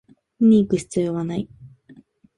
見にいく必要はない